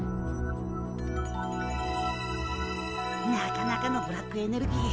なかなかのブラックエネルギー。